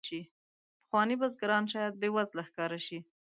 پخواني بزګران شاید بې وزله ښکاره شي.